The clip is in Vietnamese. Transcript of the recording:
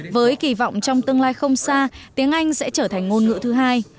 với kỳ vọng trong tương lai không xa tiếng anh sẽ trở thành ngôn ngữ thứ hai